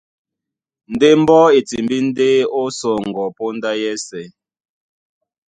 Ndé mbɔ́ e timbí ndé ó sɔŋgɔ póndá yɛ́sɛ̄.